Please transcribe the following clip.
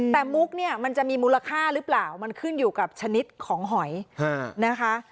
แต่มุกเนี่ยมันจะมีมูลค่าหรือเปล่ามันขึ้นอยู่กับชนิดของหอยนะคะ